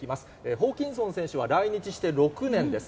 ホーキンソン選手は来日して６年です。